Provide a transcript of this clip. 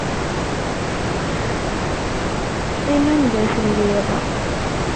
Qqim anda telliḍ.